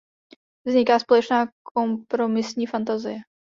Vzniká společná kompromisní fantazie.